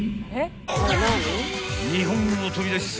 ［日本を飛び出し］